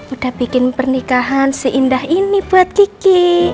udah bikin pernikahan seindah ini buat kiki